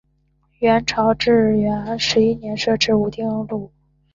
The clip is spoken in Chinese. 元朝至元十一年设置武定路。